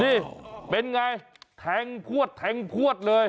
นี่เป็นไงแทงพวดเลย